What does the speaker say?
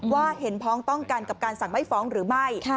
ว่าเห็นพ้องต้องกันกับการสั่งไม่ฟ้องหรือไม่